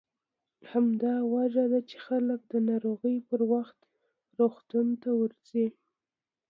همدا وجه ده چې خلک د ناروغۍ پر وخت روغتون ته ورځي.